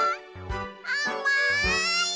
あまい！